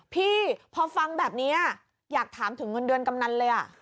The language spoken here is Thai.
พี่พอฟังแบบนี้อยากถามถึงเงินเดือนกำนันเลย